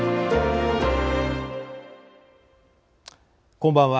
こんばんは。